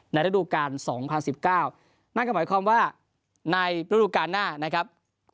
ระดูการ๒๐๑๙นั่นก็หมายความว่าในฤดูการหน้านะครับ